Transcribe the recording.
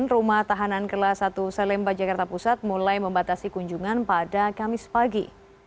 rumah tahanan kelas satu salemba jakarta pusat mulai membatasi kunjungan pada kamis pagi